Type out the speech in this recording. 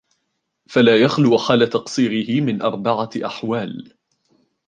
فَلَا يَخْلُو حَالَ تَقْصِيرِهِ مِنْ أَرْبَعَةِ أَحْوَالٍ